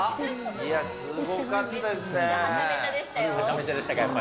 いや、すごかったですね。